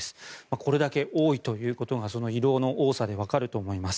これだけ多いところが色の多さでわかると思います。